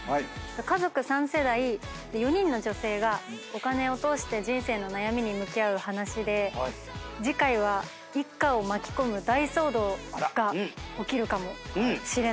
家族３世代で４人の女性がお金を通して人生の悩みに向き合う話で次回は一家を巻き込む大騒動が起きるかもしれないお話になっていて。